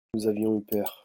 Nous avions eu peur.